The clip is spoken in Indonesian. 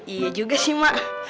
iya juga sih mak